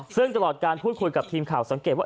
ซึ่งตลอดการพูดคุยกับทีมข่าวสังเกตว่า